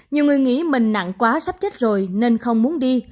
nhiều người nghĩ mình nặng quá sắp chết rồi nên không muốn đi